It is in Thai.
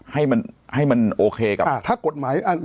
ให้มันโอเคกับ